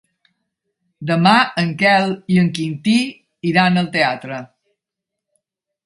Demà en Quel i en Quintí iran al teatre.